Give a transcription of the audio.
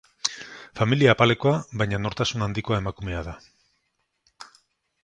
Familia apalekoa baina nortasun handiko emakumea da.